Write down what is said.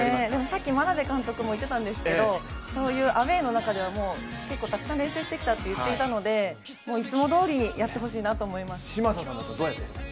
さっき眞鍋監督も言っていたんですけれども、そういうアウェーの中では結構たくさん練習してきたと言っていたのでいつもどおりやってほしいなと思います。